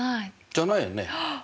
じゃないよねあっ！